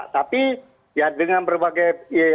tapi ya dengan berbagai